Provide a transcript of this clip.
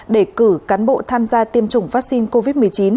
để cử cán bộ tham gia tiêm chủng vaccine covid một mươi chín